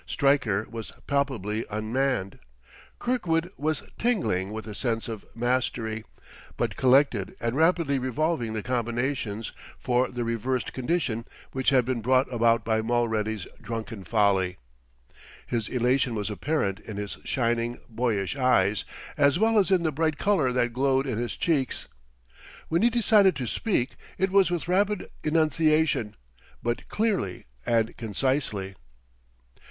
Stryker was palpably unmanned. Kirkwood was tingling with a sense of mastery, but collected and rapidly revolving the combinations for the reversed conditions which had been brought about by Mulready's drunken folly. His elation was apparent in his shining, boyish eyes, as well as in the bright color that glowed in his cheeks. When he decided to speak it was with rapid enunciation, but clearly and concisely.